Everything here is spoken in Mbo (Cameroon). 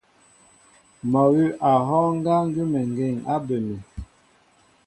Mɔ awʉ̌ a hɔ́ɔ́ŋ ŋgá ŋgʉ́əŋgeŋ á bə mi.